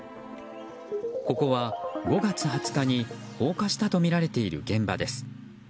ここは５月２０日に放火したとみられている現場です。